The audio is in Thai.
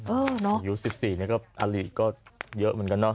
เออเนอะอยู่๑๔นี่ก็อาหรี่เยอะเหมือนกันเนอะ